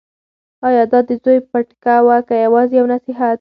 ایا دا د زوی پټکه وه که یوازې یو نصیحت و؟